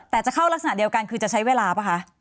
แต่จะเข้ารักษณะเดียวกันคือจะใช้เวลาป่ะคะ